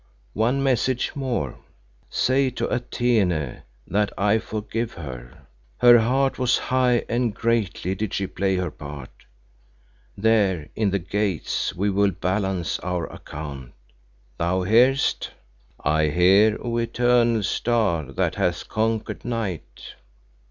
"One message more. Say to Atene that I forgive her. Her heart was high and greatly did she play her part. There in the Gates we will balance our account. Thou hearest?" "I hear, O Eternal Star that hath conquered Night."